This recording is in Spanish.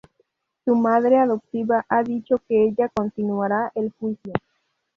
Su madre adoptiva ha dicho que ella continuará el juicio.